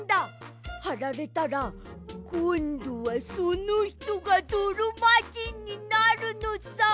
はられたらこんどはそのひとがどろまじんになるのさ。